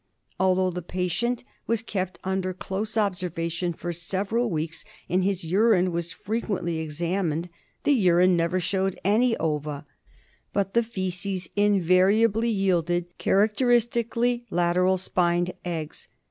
Although the patient was kept under close observation for several weeks, and his urine was frequently examined, the urine never showed any ova, but the faeces invariably yielded characteristically lateral spined eggs.